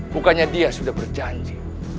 bukannya dia sudah berjanji